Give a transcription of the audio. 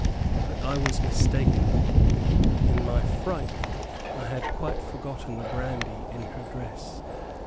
But I was mistaken. In my fright, I had quite forgotten the brandy in her dress.